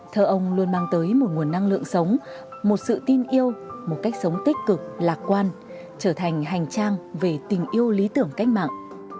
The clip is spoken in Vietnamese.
thơ ông luôn mang tới một nguồn năng lượng sống một sự tin yêu một cách sống tích cực lạc quan trở thành hành trang về tình yêu lý tưởng cách mạng